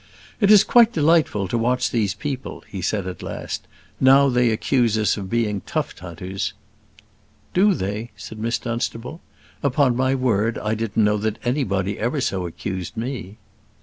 "It is quite delightful to watch these people," he said at last; "now they accuse us of being tuft hunters." "Do they?" said Miss Dunstable. "Upon my word I didn't know that anybody ever so accused me."